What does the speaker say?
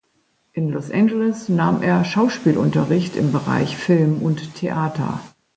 In Los Angeles nahm er Schauspielunterricht im Bereich Film und Theater.